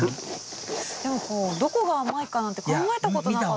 でもこうどこが甘いかなんて考えたことなかったな。